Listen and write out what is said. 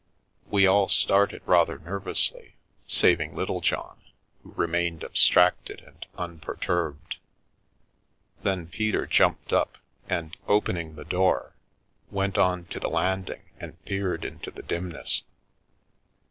We all started rather nervously, saving Littlejohn, who remained abstracted and unper turbed. Then Peter jumped up and, opening the door, went on to the landing and peered into the dimness.